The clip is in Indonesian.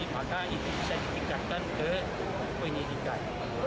maka itu bisa ditingkatkan ke penyidikan